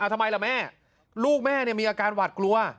ทำไมล่ะแม่ลูกแม่มีอาการหวัดกลัว